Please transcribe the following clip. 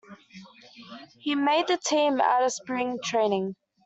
He made the team out of spring training.